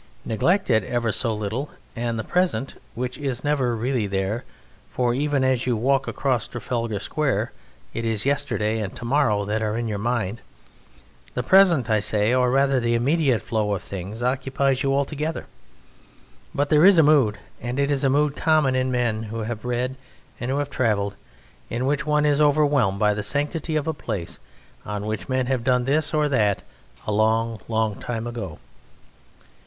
Neglect it ever so little and the Present (which is never really there, for even as you walk across Trafalgar Square it is yesterday and tomorrow that are in your mind), the Present, I say, or rather the immediate flow of things, occupies you altogether. But there is a mood, and it is a mood common in men who have read and who have travelled, in which one is overwhelmed by the sanctity of a place on which men have done this or that a long, long time ago.